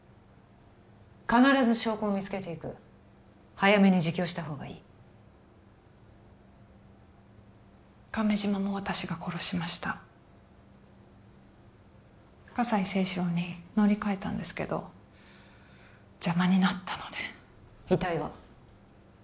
必ず証拠を見つけていく早めに自供したほうがいい亀島も私が殺しました葛西征四郎に乗り換えたんですけど邪魔になったので遺体は？